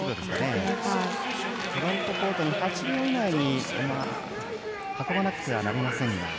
ペイントコートに８秒以内に運ばなくてはなりませんが。